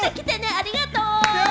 ありがとう。